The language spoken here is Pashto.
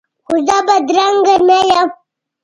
خو زه بدرنګه نه یم